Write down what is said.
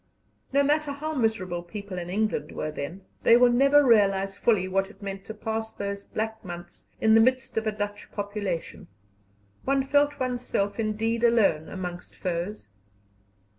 No matter how miserable people in England were then, they will never realize fully what it meant to pass those black months in the midst of a Dutch population; one felt oneself indeed alone amongst foes.